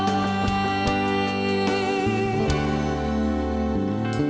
เพื่อนเธอ